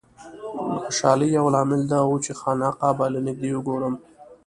د خوشالۍ یو لامل دا و چې خانقاه به له نږدې وګورم.